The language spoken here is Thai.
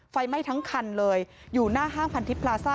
ไฟไหม้ทั้งคันเลยอยู่หน้าห้างพันธิพลาซ่า